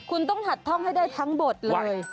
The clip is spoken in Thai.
คุณต้องหัดท่องให้ได้ทั้งหมดเลย